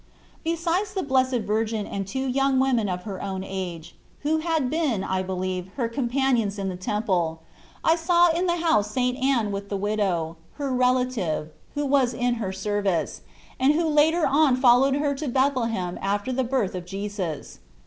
Besides the Blessed Virgin and two young women of her own age, who had been, I believe, her companions in the Temple, I saw in the house St. Anne with the widow, her relative, who was in her service, and who later on followed her to Bethlehem after the birth of Jesus.